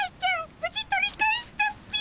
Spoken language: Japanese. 無事取り返したっピィ。